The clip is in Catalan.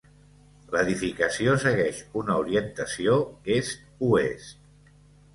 L'edificació segueix una orientació est-oest.